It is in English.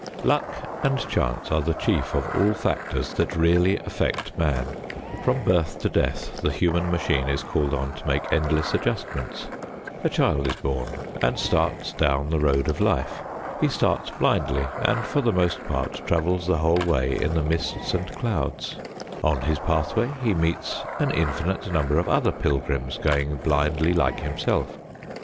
Luck and chance are the chief of all factors that really affect man. From birth to death the human machine is called on to make endless adjustments. A child is born and starts down the road of life. He starts blindly and, for the most part, travels the whole way in the mists and clouds. On his pathway he meets an infinite number of other pilgrims going blindly like himself.